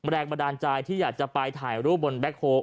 แรงบันดาลใจที่อยากจะไปถ่ายรูปบนแบ็คโฮล